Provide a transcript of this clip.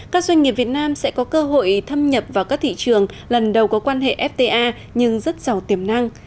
các doanh nghiệp việt nam sẽ có cơ hội thâm nhập vào các thị trường lần đầu có quan hệ fta nhưng rất giàu tiềm năng